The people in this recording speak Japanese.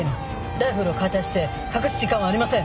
ライフルを解体して隠す時間はありません。